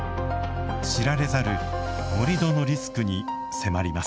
知られざる盛土のリスクに迫ります。